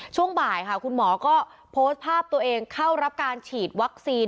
ช่วงบ่ายค่ะคุณหมอก็โพสต์ภาพตัวเองเข้ารับการฉีดวัคซีน